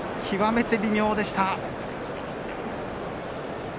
極めて微妙でした。